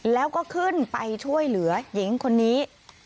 แล้วก็ขึ้นไปช่วยเหลือหญิงคนนี้